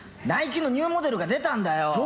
ＮＩＫＥのニューモデルが出たんだよ！